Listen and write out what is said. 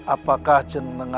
apakah jenengan tahu